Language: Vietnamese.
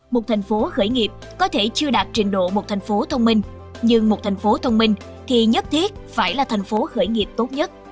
một thành phố khởi nghiệp có thể chưa đạt trình độ một thành phố thông minh nhưng một thành phố thông minh thì nhất thiết phải là thành phố khởi nghiệp tốt nhất